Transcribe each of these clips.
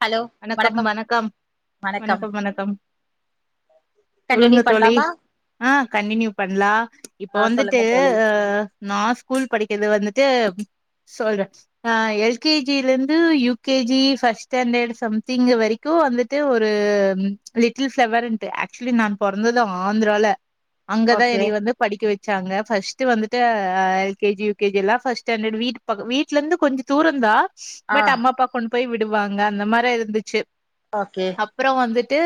Hello வணக்கம் வணக்கம் வணக்கம் வணக்கம் கண் அடி சொல்லுங்க தோழி பண்லாமா ஆ கண்டினியூ பண்லா இப்போ ஆ வந்துட்டு சொல்லுங்க தோழி அ நா ஸ்கூல் படிக்கெறது வந்துட்டு சொல்றே ஆ எல் கே ஜி ல இருந்து U K G first standard something வரைக்கு வந்துட்டு ஒரு லிட்டில் ஃப்ளவர்ன்ட்டு ஆக்சுவலி நா பொறந்தது ஆந்த்ரால அங்கதா ஓகே எனக்கி வந்து படிக்க வெச்சாங்க ஃபஸ்ட் வந்துட்டு அ L K G U K G எல்லா ஃபஸ்ட் ஸ்டாண்டர்ட் வீட்டு பொது வீட்ல இருந்து கொஞ்சொ தூரொந்தா ஆ பட் அம்மா அப்பா கொண்டு போய் விடுவாங்க அந்த மாரி இருந்துச்சு ஓகே அப்பறோ வந்துட்டு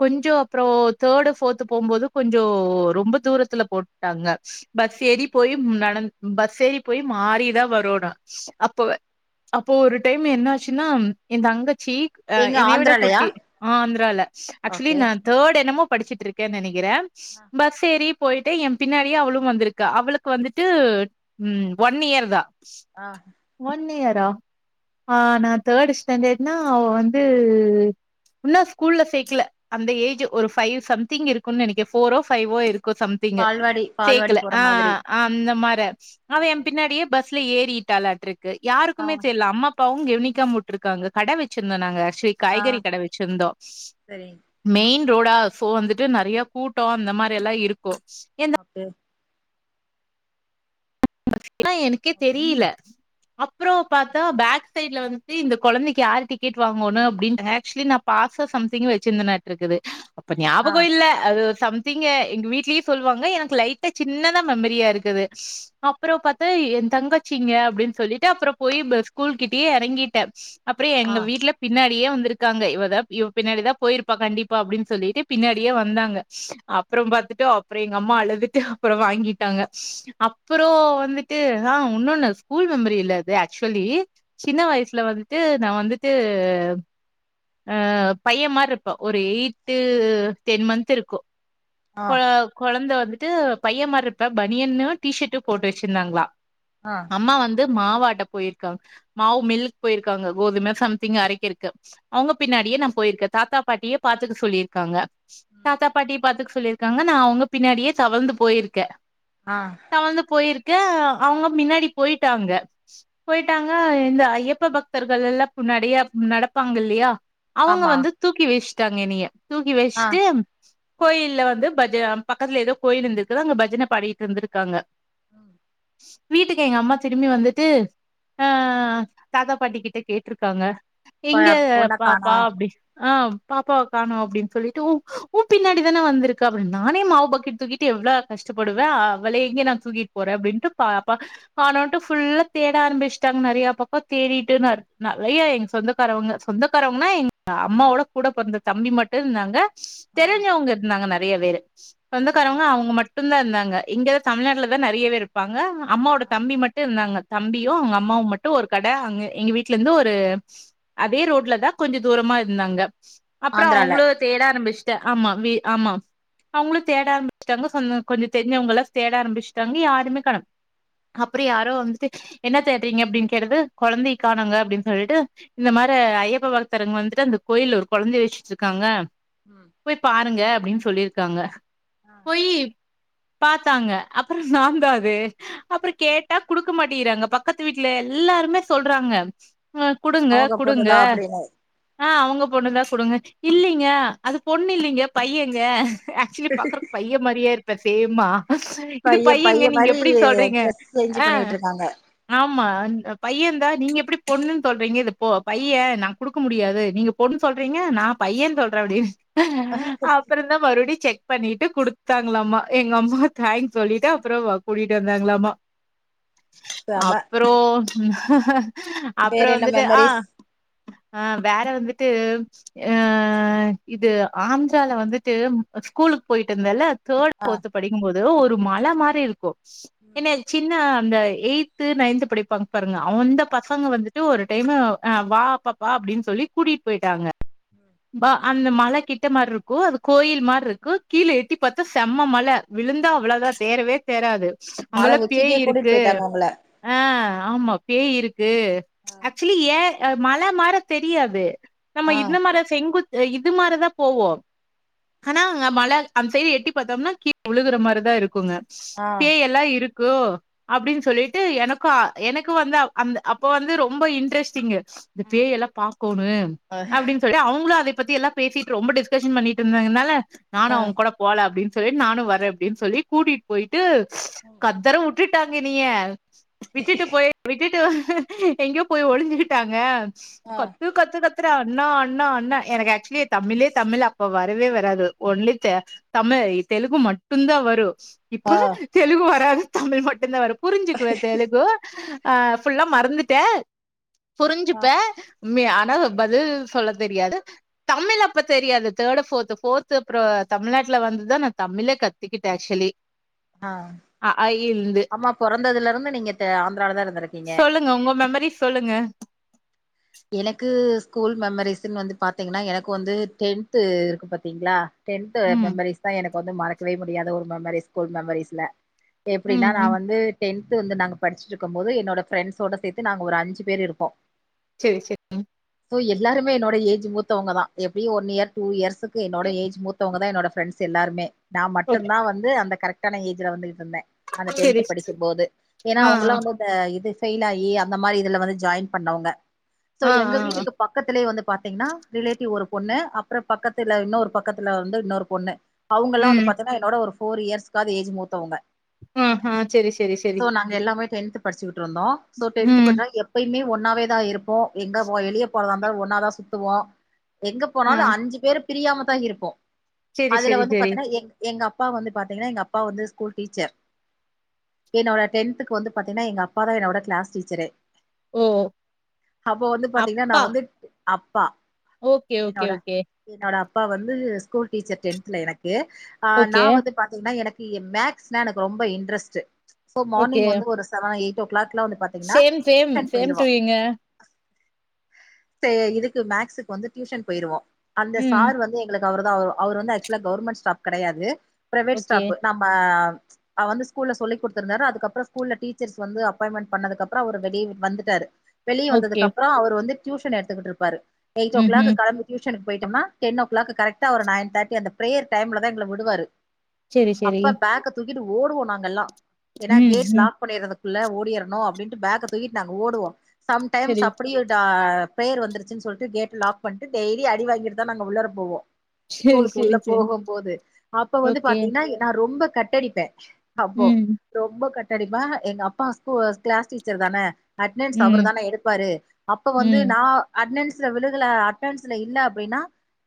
கொஞ்சோ அப்பறோ தேர்டு ஃபோர்த்து போம்போது கொஞ்சோ ரொம்ப தூரத்துல போட்டாங்க பஸ் ஏறி போயி நட பஸ் ஏறி போய் மாறிதா வரோனு அப்போ வ அப்போ ஒரு டைம் என்ன ஆச்சுன்னா என் தங்கச்சி எங்க என்னையவிட ஆந்திராலயா குட்டி ஆந்தரால ஆக்சுவலி ஓகே ந தேர்ட் என்னமோ படிச்சுட்டு இருக்கேன்னு நனக்கிறே ஆ பஸ் தேரி போட்டு ஏம் பின்னாடியே அவளு வந்திருக்கா அவளுக்கு வந்துட்டு ம் வன் இயர் தா ஆ வன் இயரா ஆ நா தேர்ட் ஸ்டாண்டர்ட்னா அவ வந்து உன்னா ஸ்கூல்லல சேக்கெல அந்த ஏஜ் ஒரு ஃபைவ் சம்திங் இருக்குன்னு நனக்கே ஃபோரோ ஃபைவோ இருக்கு சம் திங்கு பால்வாடி பால்வாடி சேக்கல போற ஆ மாதிரி அந்த மார அவ ஏ ஓகே பின்னாடியே பஸ்ல ஏறிட்டாலா க்கு ஆ யாருக்குமே தெர்ல அம்மா அப்பாவு கெவனிக்காம உட்ருக்காங்க கட வெச்சிருந்தோ நாங்க ஆச்சுவலி ஆ காய்கறி கட வெச்சிருந்தோ சரி மெய்ன் ரோடா சோ வந்துட்டு நறையா கூட்டோ அந்த மாரி எல்லா இருக்கு இரு அப்பே எனக்கே தெரியில்ல அப்பறோ ம் பாத்தா பேக் பேக்சைட்ல வந்துட்டு இந்த கொழந்தெக்கு யாரு டிக்கெட் வாங்கணு அப்டின்னு ஆக்சுவலி நா பாஸ்ஸோ சம்திங் வெச்சிருந்தே நா இருக்குது அப்ப ஆ ஞாபகோ இல்ல அது சம் இங்க எங்க வீட்லயு சொல்லுவாங்க எனக்கு லைட்டா சின்னதா மெம்மரியா இருக்குது அப்பறோ பாத்தா ஏ தங்காச்சிங்க அப்டின்னு சொல்லிட்டு அப்பறோ போய் ஸ்கூல் கிட்டயே எறங்கீட்டே அப்பறோ ஆ எங்க வீட்ல பின்னாடியே வந்திருக்காங்க இவதா இவ பின்னாடிதா போயிருப்பா கண்டிப்பா அப்டின்னு சொல்லிட்டு பின்னாடியே வந்தாங்க அப்பறோ பாத்துட்டு அப்பறோ‌ எங்க அம்மா அழுதுட்டு அப்பறோ வாங்கிட்டாங்க அப்பறோ வந்துட்டு ஆ உன்னொன்னு ஸ்கூல் மெம்மரி இல்ல அது ஆக்சுவலி சின்ன வயசுல வந்துட்டு நா வந்துட்டு அ பையன் மாரி இருப்பே ஒரு எயிட் டென் மந்த் இருக்கு ஆ கொழ கொழந்த வந்துட்டு பையன் மாரி இருப்பே பனியன்னு டி ஷர்ட் போட்டு வெச்சிருந்தாங்களா ஆ அம்மா வந்து மாவாட்ட போயிருக்காங்க மாவு மில்க் போயிருக்காங்க கோதும சம்திங் அரக்கெறக்கு அவங்க பின்னாடியே நா போயிருக்கே தாத்தா பாட்டிய பாத்துக்க சொல்லியிருக்காங்க ம் தாத்தா பாட்டிய பாத்துக்க சொல்லியிருக்காங்க நா அவங்க பின்னாடியே தவழ்ந்து போயிருக்கே ஆ தவழ்ந்து போயிருக்க அவங்க முன்னாடி போயிட்டாங்க போயிட்டாங்க இந்த ஐயப்ப பக்தர்களல்லா நிறைய நடப்பாங்க இல்லயா அவங்க ஆமா வந்து தூக்கி வச்ட்டாங்க என்னய தூக்கி ஆ வச்ட்டு கோயில்ல வந்து பஜ பக்கத்துல ஏதோ கோயில் இருந்திருக்குதோ அங்க பஜன பாடிட்ருந்திருக்காங்க ம் வீட்டுக்கு எங்க அம்மா திரும்பி வந்துட்டு ஆ தாத்தா பாட்டி கிட்ட கேட்ருக்காங்க ப எங்க பொண்ண பாப்பா காணோ அப்டின் ஆ பாப்பாவ காணோ அப்படின்னு சொல்லிட்டு ஒ ஒ பின்னாடி தானே வந்திருக்கா அப்பின் நானே மாவு பாக்கெட் தூக்கிட் டு எவ்ளோ கஷ்டப்படுவே அவள எங்கே நா தூக்கிட்டு போறே அப்படின்ட்டு பாப்பா கானோன்டு ஃபுல்லா தேட ஆரம்பிச்சுட்டாங்க நெறைய பக்கா தேடிட்டுன்னாரு நெறைய எங்க சொந்த க்காரவங்க சொந்தக்காரவங்கன்னா எங்க அம்மாவோட கூட பிறந்த தம்பி மட்டு இருந்தாங்க ஆ தெரிஞ்சவங்க இருந்தாங்க நெறைய பேரு ஓகே சொந்தக்காரவங்க அவங்க மட்டுந்தா இருந்தாங்க இங்கதா தமிழ்நாட்டுல தா நறையவே இருப்பாங்க அம்மாவோட ஆ தம்பி மட்டு இருந்தாங்க தம்பியு அங்க அம்மாவு மட்டு ஒரு கட அங்க எங்க வீட்டு்ல இருந்து ஒரு அதே ரோட்ல தா கொஞ்ச தூரமா இருந்தாங்க அப்புற ஆந்திரால அவங்களு தேட ஆரம்பிச்சுட்டே ஆமா வீ ஆமா அவங்களு தேட ஆரம்பிச்சுட்டாங்க சொந்தோ கொஞ்ச தெரிஞ்சவங்கள தேட ஆரம்பிச்சுட்டாங்க யாருமே கண அப்புறோ யாரோ வந்துட்டு என்ன தேடுறீங்க அப்படின்னு கேடது கொழந்தய காணோங்க அப்படின்னு சொல்லிட்டு இந்த மாரி ஐயப்ப பக்தரங்க வந்துட்டு அந்த கோயில் ஒரு கொழந்தைய வச்சுட்ருக்காங்க உ போய் பாருங்க அப்படின்னு சொல்லியிருக்காங்க ஆ போயி த்தாங்க அப்புற நாந்தா அது அப்புறம் கேட்டா குடுக்க மாட்டேறாங்க பக்கத்து வீட்டுல எல்லாருமே சொல்றாங்க ஆ குடுங்க அவங்க குடுங்க பொண்ணுதா அப்படின்னு ஆ அவங்க பொண்ணு தா குடுங்க இல்லைங்க அது பொண்ணு இல்லைங்க பையங்க ஆக்சுவலி பாக்குறக்கு பையே மாரியா இருப்பே சேமா இது பைய பையங்க பைய நீங்க மாரி எப்டி சொல்றீங்க ட்ரெஸ் சேஞ்சு ஆ பண்ணி விட்டுருக்காங்க ஆமா பையன்ந்தா நீங்க எப்டி பொண்ணுன்னு சொல்றீங்க இதுப்போ பையே நான் குடுக்க முடியாது நீங்கப் பொண்ணு சொல்றீங்க நா பையேனு சொல்றே அப்டினு அப்புற தா மறுபடி செக் பண்ணிட்டு குடுத்தாங்களம்மா எங்க அம்மா தேங்ஸ் சொல்லிட்டு அப்புறோ கூட்டிட்டு வந்தாங்களாமா செம அப்ற ப்றோ வேற அப்புறோ என்ன வந்துட்டு ஆ மெமரிஸ் ஆ வேற வந்துட்டு அ இது ஆந்திரால வந்துட்டு ஸ்கூலுக்கு போயிட்டு இருந்தேல தேர்ட் ஆ ஃபோர்து படிக்கும்போது ஒரு மல மாரி இருக்கு என்னய சின்ன அந்த எய்து நைன்து படிப்பாங்க பாருங்க அவ் அந்த பசங்க வந்துட்டு ஒரு டைமு வா பாப் வா அப்படின்னு சொல்லி கூட்டிட்டு போயிட்டாங்க பா அந்த மழ கிட்ட மார்ருக்கு அது கோயில் மார்ருக்கு கீழ எட்டி பாத்தா செம்ம மல விழுந்தா அவ்வளதா தேரவே தேராது மல அங்கெல்லா பேய் உச்சிக்கே கூட்டிட்டு இருக்கு போயிட்டாங்க உங்கள ஆ ஆமா பேய் இருக்கு ஆ ஆக்சுவலி ஏ ஆ மழ மார தெரியாது நம்ம ஆ இந்த மார செங்குத் இது மாரிதா போவோ ஆனா மல அந்த சைடு எட்டி பாத்தோம்னா கீ உழுகுற மாரிதா இருக்குங்க ஆ தேய எல்லா இருக்கு அப்டின்னு சொல்லிட்டு எனக்கூ எனக்கு வந்து அந்த அப்ப வந்து ரொம்ப இன்ட்ரெஸ்ட்டிங்கு இந்த ஆ பேய எல்லா பாக்கோணு அப்டின்னு சொல்லி அவுங்ளு அதய பத்தி எல்லா பேசிட்டு ரொம்ப டிஸ்கஷன் பண்ணிட்டு இருந்தனால நானு ஆ அவுங்க கூட போல அப்டி சொல்லி நானு வரேஅப்டி சொல்லி கூட்டிட் போயிட்டு ம் ஒர் தர வுட்டுட்டாங்க எனைய விட்டுட்டு போய் விட்டுட்டு எங்கயோ போய் ஒளிஞ்சுகிட்டாங்க கத்து கத்து கத்துறா அண்ணா அண்ணா அண்ணா எனக்கு ஆக்சுவலி தமிழே தமிழ் அப்ப வரவே வராது ஒன்லி தம்மே தெலுங்கு மட்டு தா வரு ஆ இப்ப தெலுங்கு வராது தமிழ் மட்டு தா வரு புரிஞ்சுக்குவே தெலுகு ஆ ஃபுல்லா மறந்துட்டே புரிஞ்சுப்பே மி ஆனா பதில் சொல்ல தெரியாது தமிழ் அப்ப தெரியாது தேடு ஃபோர்த்து ஃபோர்த்து அப்றோ தமிழ்நாட்ல வந்துதா நா தமிழே கத்துக்கிட்ட ஆக்சுலி ஆ அம்மா பொறந்ததுல இருந்து நீங்க தெ ஆந்த்ராலா தா இருந்திருக்கீங்க சொல்லுங்க உங்க மெமரிஸ் சொல்லுங்க எனக்கு ஸ்கூல் மெமரிஸ்ன் வந்து பாத்தீங்னா எனக்கு வந்து டென்த்து இருக்கு பாத்தீங்ளா டென்த் ம் மெமரிஸ் தா எனக்கு வந்து மறக்கவே முடியாத ஒரு மெமரிஸ் ஸ்கூல் மெமரிஸ்ல எப்டின்னா ம் நா ம் வந்து டென்த் வந்து நாங்க படிச்சுட்டுக்கும் போது என்னோட ஃப்ரெண்ட்ஸோட சேத்து நாங்க ஒரு அஞ்சு பேர் இருப்போ செரி செ சோ எல்லாருமே என்னோட ஏஜ் மூத்தவங்க தா எப்டியு ஒன் இயர் டூ இயர்ஸுக்கு என்னோட ஏஜ் மூ த்தவங்க தா என்னோட ஃபிரண்ட்ஸ் எல்லாருமே நா மட்டு ஓக் தா வந்து அந்த கரெக்ட்டான ஏஜ்ல வந்துகுட்டு இருந்தே அந்த செரி டென்த் படிக்கும் போது ஏன்னா ஆ அவங்கல்லா வந்து இந்த இது ஃபெயில் ஆகி அந்த மாரி இதுல வந்து ஜாயின் பண்ணவங்க சோ ஆ ஆ எங்க ஆ வீட்டுக்கு பக்கத்துலயே வந்து பாத்தீங்னா ரிலேட்டிவ் ஒரு பொண்ணு அப்றோ பக்கத்துல இன்னொரு பக்கத்துல வந்து இன்னொரு பொண்ணு அவுங்கலா வந்து ம் பாத்தீனா என்னோட ஒரு ஃபோர் இயர்ஸ்குகாது ஏஜ் மூத்தவங்க ம் ம் செரி செரி செரி சோ நாங்க எல்லாமே டென்த் படிச்சுட்ருந்தோ சோ டென்த் ம் படுச்சனால எ ப்பயுமே ஒன்னாவே தா இருப்போ எங்க ஒ வெளிய போறதா இருந்தாலு ஒன்னாதா சுத்துவோ எங்க ஆ போனாலு அஞ்சு பேர் பிரியாமதா இருப்போ செரி அதுல செரி வந்து செரி பாத்தீன்னா எங் எங்க அப்பா வந்து பாத்தீங்னா எங்க அப்பா வந்து ஸ்கூல் டீச்சர் என்னோட டென்த்துக்கு வந்து பாத்தீனா எங்க அப்பா தா என்னோடா கிளாஸ் டீச்சரே ஓ அப்போ வந்து பாத்தீங்னா நா வந்துட் அப்பா ஓக்கே ஓக்கே என்னோட ஓக்கே என்னோட அப்பா வந்து ஸ்கூல் டீச்சர் டென்த்ல எனக்கு அ நா ஓகே வந்து பாத்தீங்னா எனக்கு எ மேக்ஸ்னா எனக்கு ரொம்ப இன்ரஸ்ட்டு சோ ஓகே மார்னிங் வந்து ஒரு செவனா எயிட்டோ ஓ கிளாக்ல வந்து பாத் சேம் சேம் சேம் டூயுங்க சே இதுக்கு மேக்ஸுக்கு வந்து டியூஷன் போயிருவோ அந்த ம் சார் வந்து எங்களுக்கு அவுரு தா அவ் அவுரு வந்து ஆக்சுலா கவர்மெண்ட் ஸ்டாப் கெடையாது பிரவேட் ஓகே ஸ்டாப்பு நம்ம அ வந்து ஸ்கூல்ல சொல்லி குடுத்துருந்தாரு அதுக்கப்பறோ ஸ்கூல்ல டீச்சர்ஸ் வந்து அப்பாயின்மெண்ட் பண்ணதுக்கப்பறோ அவரு வெளிய வந்துட்டாரு வெளிய ஓகே வந்ததுக்கு அப்றோ அவரு வந்து டியூஷன் எடுத்துட் இருப்பாரு எயிட் ஓ ம் கிளாக் ம் கெளம்பி டியூசனுக்கு போயிட்டம்னா டென் ஓ கிளாக்கு கரெக்ட்டா ஒரு நைன் தேட்டி அந்த பிரேயர் டைம்ல தா எங்கள விடுவாரு செரி செரி அப்ப பேக்க தூக்கிட்டு ஓடுவோ நாங்கெல்லா ஏன்னா ம் கேட் ம் லாக் பண்ணிறது குள்ள ஓடிறணு அப்டின்ட்டு பேக்க தூக்கிட் நாங்க ஓடுவோ சம்டைம்ஸ் செரி அப்படியு டா ப்ரேயர் வந்துருச்சு சொல்ட்டு கேட்லாக் பண்ட்டு டெய்லி அடி வாங்கிட்டு தா நாங்க உள்ளர போவோ செரி ஸ்கூலுக்கு உள்ள செரி செரி போகும்போது அப்ப வந்து ஓகே பாத்தீங்னா நா ரொம்ப கட்டடிப்பே அப்போ ம் ரொம்ப கட்டடிப்ப எங்க அப்பா கிளாஸ் டீச்சர் தான அட்ன்ஸ் ம் அவரு தான எடுப்பாரு அப்ப வந்து ம் நா அட்ன்ஸ்ல விழுகல அடனன்ஸ்ல இல்ல அப்டின்னா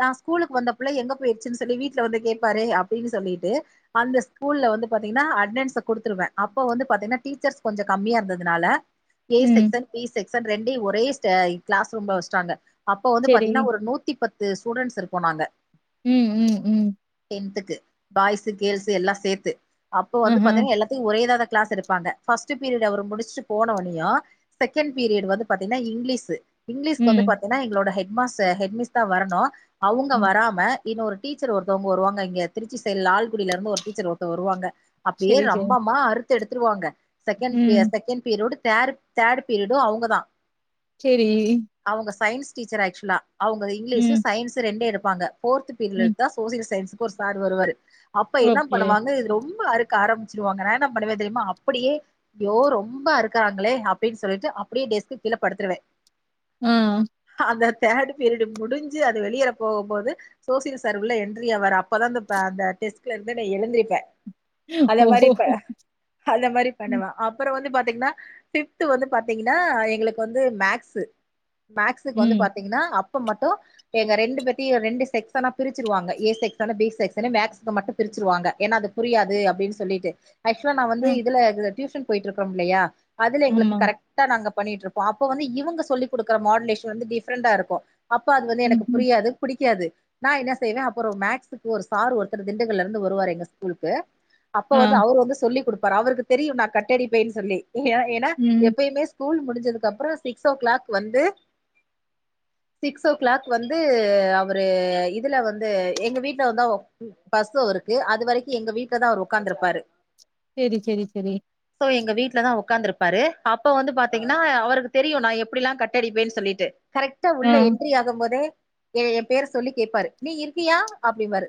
நா ஸ்கூலுக்கு வந்த பிள்ள எங்க போயிருச்சுன்னு சொல்லி வீட்டுல வந்து கேப்பாரு அப்டின்னு சொல்லிட்டு அந்த ஸ்கூல்ல வந்து பாத்தீங்கன்னா அட்ன்ஸ்ஸ கொடுத்துருவ அப்ப வந்து பாத்தீங்கன்னா டீச்சர்ஸ் கொஞ்ச கம்மியா இருந்ததுனால ஏ ம் செக்சன் சி செக்ஷன் ரெண்டயு ஒரே [unintelligible] கிளாஸ் ரூம்ல வச்சுட்டாங்க அப்ப வந்து செரி பாத்தீங்கன்னா ஒரு நூத்தி பத்து பத்து ஸ்டூடெண்ட்ஸ் இருப்போ நாங்க ம் ம் ம் டென்த்க்கு பாய்ஸ்ஸு, கேள்ஸ் எல்லா சேர்த்து அப்போ வந்து ஆஹா பாத்தீங்கன்னா எல்லா ஒரே இத்தா கிளாஸ் எடுப்பாங்க ஃபர்ஸ்ட் பீரியட் அவர் முடிச்சுட்டு போன்னோயு செகண்ட் பீரியட் வந்து பாத்தீங்கன்னா இங்கிலீஷு இங்கிலீஷ்க்கு வந்து ம் பாத்தீங்கன்னா எங்களோட ஹெட் மாஸ்டர் ஹெட்மிஸ்தா வரணும் அவங்க ம் வராம இன்னொரு டீச்சர் ஒருத்தவங்க வருவாங்க இங்க திருச்சி சைடுல லால்குடியில இருந்து ஒரு டீச்சர் ஒருத்தர் வருவாங்க அப்டியே செரி செரி ரம்பமா அறுத்து எடுத்துடுவாங்க செகண்ட் ம் செகண்ட் பிரியரோடு தே தேர்ட் பீரியடும் அவங்க தா சேரி அவங்க சயின்ஸ் டீச்சர் ஆக்சுவலா அவங்க இங்கிலீஷ், ம், சயின்ஸ் ரெண்டு எடுப்பாங்க ஃபோர்த் ம். பீரியருதா சோசியல் சயின்ஸுக்கு ஒரு சார் வருவாரு அப்ப என்ன ஓகே. பண்ணுவாங்க இது ரொம்ப ரொம்ப அறுக்க ஆரம்பிச்சிடுவாங்க நா என்ன பண்ணுவ தெரியுமா அப்டியே அய்யோ ரொம்ப அறுக்குறாங்களே அப்டின்னு சொல்லிட்டு அப்டியே டெஸ்கு கீழ படுத்துடுவ ம் அந்த தேர்டு பீரியடு முடிஞ்சு அது வெளியில போகும் போது சோசியல சார் உள்ள என்றி ஆவாரு அப்பதா அ அந்த டெஸ்க்ல இருந்து நா எழுந்திருப்ப அந்த மாதிரி ஓஹோ! ப அந்த மாதிரி ம், பண்ணுவ அப்பற வந்து பாத்தீங்கன்னா ஃபிஃப்த் வந்து பாத்தீங்கன்னா எங்களுக்கு வந்து மேஸு மேஸுக்கு வந்து ம். பாத்தீங்கன்னா அப் அப்போ மட்டு எங்க ரெண்டு பேத்தியு ரெண்டு செக்ஸ்ஸனா பிரிச்சிருவாங்க ஏ செக்ஸ்சன், பி செக்ஸ்சன் மேக்ஸ்க்கு மட்டு பிரிச்சுருவாங்க ஏன்னா அது புரியாது அப்டின்னு சொல்லிட்டு ஆக்சுவலா நா அ, வந்து இதுல டியூஷன் போயிட்டு இருக்குறோ இல்லயா அதுல எங்களுக்கு ஆமா. கரெக்ட் நாங்க பண்ணிட்டு இருப்போ அப்ப வந்து இவங்க சொல்லி கொடுக்கற மாடுலேஷன் வந்து டிஃப்ரெண்டா இருக்கும். அப்ப அது வந்து எனக்கு ம்ஹ்ம். புரியாது பிடிக்காது நா என்ன செய்வ அப்பற மேக்ஸுக்கு ஒரு சார் ஒருத்தர் திண்டுக்கல்ல இருந்து வருவாரு எங்க ஸ்கூலுக்கு அப்ப ஆ. வந்து அவரு வந்து சொல்லி் கொடுப்பாரு அவருக்கு தெரியு நா கட்டடிப்பேன்னு சொல்லி ஏன்னா ம். எப்பயுமே ஸ்கூல் முடிஞ்சதுக்கு அப்பற சிக்ஸ் ஓ கிளாக் வந்து சிக்ஸ் ஓ கிளாக் வந்து அவரு இதுல வந்து எங்க வீட்ல வந்து ஓ பஸ்ஸு அவருக்கு அது வரைக்கும் எங்க வீட்டுலதா அவர் உட்கார்ந்துருப்பாரு சேரி சேரி சேரி சோ எங்க வீட்டுலதா உட்காந்துருப்பாரு அப்ப வந்து பாத்தீங்கன்னா அவருக்கு தெரியும் நா எப்படிலா கட்டடிப்பேன்னு சொல்லிட்டு கரெக்டா ஆ. உள்ள என்ட்ரி ஆகும் போதே எய பேர சொல்லி கேட்பாரு நீ இருக்கியா அப்டியிம்பாரு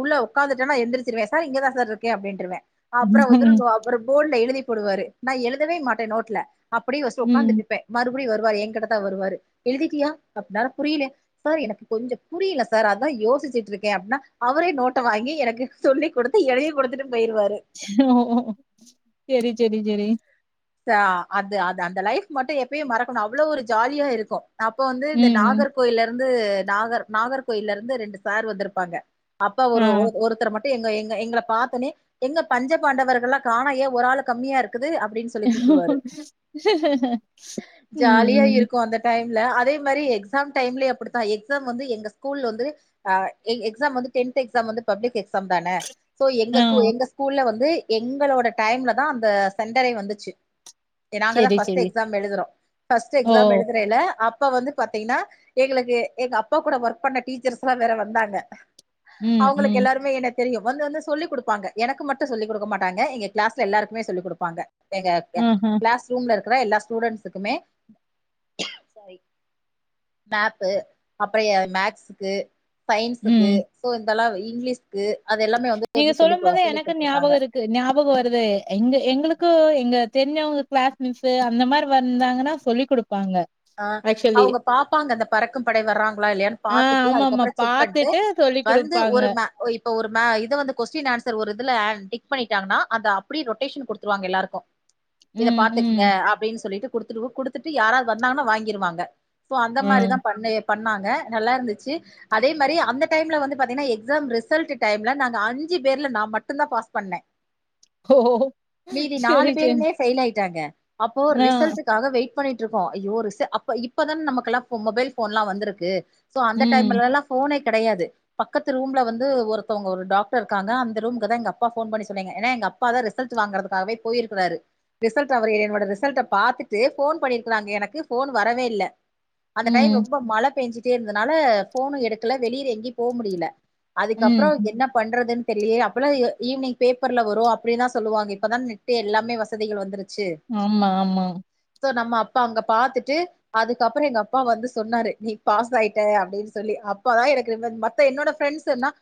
உள்ள உட்காந்துட்டா நா எந்திரச்சிருவ சார் இங்கதா இருக்க அப்டின்ருவ அப்பற ம். வந்து அப்பற போர்ட்ல எழுதி போடுவாரு நா எழுதவே மாட்ட நோட்ல. அப்டியே ஃபஸ்ட் உட்காந்துட்டு இருப்ப மறுபடியு வருவாரு எய கிட்டத்தா வருவாரு எழுதிட்டியா அப்டின்னா புரில சார் எனக்கு கொஞ்ச புரியல சார் அதா யோசிச்சுட்டு இருக்க அப்டின்னா அவரே நோட்ட வாங்கி எனக்கு சொல்லி் கொடுத் எழுதி கொடுத்துட்டு போயிருவாரு ஓ சேரி சேரி சேரி அதா அது அது அந்த லைஃப் மட்டு எப்பயு மறக்குணு அவ்ளோ ஒரு ஜாலியா இருக்கு அப்ப வந்து இந்த ம். நாகர் கோயில இருந்து நாகர் நாகர் கோயில இருந்து ரெண்டு சார் வந்திருப்பாங்க அப்ப ஆ. ஒரு ஒருத்தர் மட் டு எங்க எங்க எங்கள பாத்தோன்னே எங்க பஞ்ச பாண்டவர்கள்ளா காணயே ஒரு ஆளு கம்மியா இருக்குது அப்டின்னு சொ ம் ஜாலியா ம் இருக்கு அந்த டைம்ல அதே மேரி எக்ஸாம் டைம்லயே அப்டித்தா எக்ஸாம் வந்து எங்க ஸ்கூல் வந்து ஆ எக் எக்ஸாம் வந்து டென்த் எக்ஸாம் வந்து பப்ளிக் எக்ஸாம் தான சோ ஆ. எங்க கூ எங்க ஸ்கூல்ல வந்து எங்களோட டைம்ல தா அந்த சென்டரே வந்துச்சு நாங்க தா சரி, ஃபர்ஸ்ட் சரி. எக்ஸாம் எழுதுறோ ஃபர்ஸ்ட் ஓ! எக்ஸாம் எழுதுரையில அப்ப வந்து பாத்தீன்னா எங்களுக்கு எங்க அப்பா கூட ஒர்க் பண்ண டீச்சர்ஸ் எல்லா வேற வந்தாங்க ம், அவுங்களுக்கு ம். எல்லாருமே என்ன தெரியு வந்து வந்து சொல்லிக் குடுப்பாங்க எனக்கு மட்டு சொல்லிக் குடுக்க மாட்டாங்க எங்க கிளாஸ்ல எல்லாருக்குமே சொல்லிக் குடுப்பாங்க எங்க ஆஹ. கிளாஸ் ரூம்ல இருக்குற எல்லா ஸ்டூடண்ஸ்க்குமே சாரி மேப்பு அப்றோ மேக்ஸ்க்கு சயின்ஸுக்கு ம். சோ இதெல்லா இங்கிலீஷ்க்கு அது எல்லாமே வந்து வந்து சொல்லி சொல்லி் குடுத்துருக்காங்க ஞாபகோ வருதே எங்க எங்களுக்கு எங்க தெரிஞ்சவங்க கிளாஸ் மிஸ்ஸு அந்த மாரி வந்தாங்கன்னா சொல்லிட்டு குடுப்பாங்க ஆ ஆக்சுவலி அவுங்க பாப்பாங்க அந்த பறக்கு படை வர்றாங்களா இல்லையான்னு பாத்துட்டு அதுக்கப்பறோ செக் பண் ணிட்டு சொல்லி் குடுப்பாங்க இப்ப ஒரு மே இத வந்து கொஸ்டின் ஆன்சர் ஒரு இதுல அ டிக் பண்ணிட்டாங்கன்னா அத அப்டியே ரொட்டேஷன்க்கு குடுத்துருவாங்க எல்லாருக்கு இத ம், ம், பாத்துக்ங்க அப்டின்னு சொல்லிட்டு குடுத்துரு குடுத்துட்டு யாராவுது வந்தாங்கன்னா வாங்கிருவாங்க சோ அந்த ம். மாதிரிதா பண் பண்ணாங்க நல்லா இருந்துச்சு அதே மாரி அந்த டைம்ல வந்து பாத்தீங்கன்னா எக்ஸாம் ரிசல்ட் டைம்ல நாங்க அஞ்சு பேர்ல நா மட்டு தா பாஸ் பண்ண ஓ நாலு சேரி சேன் பேருமே ஃபெயில் ஆயிட்டாங்க அப்போ ரிசல்டக்காக வெயிட் பண்ணிட்டு இருக் கோ அய்யோ ரிசல் இப்பதான நமக்கு எல்லா மொபைல் ஃபோன்ல்லா வந்திருக்கு சோ அந்த ம், டைம்லெல்லா ஃபோனே கெடையாது பக்கத்து ரூம்ல வந்து ஒருத்தவொங்க ஒரு டாக்டர் இருக்காங்க அந்த ரூமுக்கு தா எங்க அப்பா ஃபோன் பண்ணி சொன்னீங்க ஏனா எங்க அப்பா தா ரிசல்ட் வாங்கிறதுற்காகவே போயிருக்கிறாரு ரிசல்ட்ட அவரே என்னோட ரிசல்ட்ட பாத்துட்டு ஃபோன் பண்ணி ருக்காங்க எனக்கு ஃபோன் வரவே இல்ல அந்த டைம் ம், ரொம்ப மழ பெஞ்சுட் டே இருந்தனால ஃபோனு எடுக்கல வெளியில எங்கி போ முடில ம், அதுக்கப்றோ ம். என்ன பண்றதுன்னு தெரிலியே அப்பெல்லா ஈவினிங் பேப்பர்ல வரு அப்டின்னு தா சொல்லுவாங்க இப்பதா நெட்டு எல்லாமே வசதிகள் வந்துருச்சு ஆமா ஆமா த்த நம்ம அப்பா அங்க பாத்துட்டு அதுக்கப்றோ எங்க அப்பா வந்து சொன்னாரு நீ பாஸ் ஆயிட்ட அப்டின்னு சொல்லி அப்பதா எனக்கு அப்பா என்னோட ஃப்ரெண்ட்ஸ் எல்லா